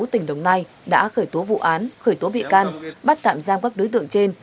tỉnh đồng nai đã khởi tố vụ án khởi tố bị can bắt tạm giam các đối tượng trên